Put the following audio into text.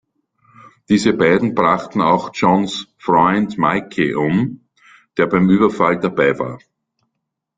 Diese beiden brachten auch Johns Freund Mikey um, der beim Überfall dabei war.